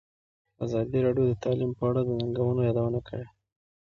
ازادي راډیو د تعلیم په اړه د ننګونو یادونه کړې.